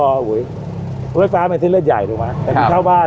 รายไฟทำให้เส้นเลือดใหญ่ดูค่ะ